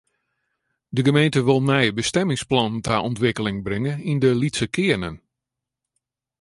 De gemeente wol nije bestimmingsplannen ta ûntwikkeling bringe yn de lytse kearnen.